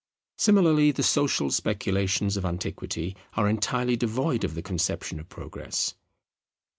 Similarly, the social speculations of antiquity are entirely devoid of the conception of Progress.